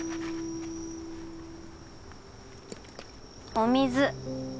お水。